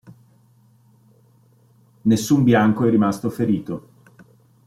Nessun bianco è rimasto ferito.